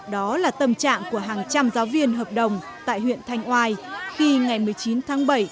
đó là tâm trạng của hàng trăm giáo viên hợp đồng tại huyện thanh oai khi ngày một mươi chín tháng bảy